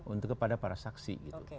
untuk kepada para saksi gitu